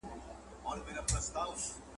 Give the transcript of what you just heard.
بدن مو د روغتیا نښه ده.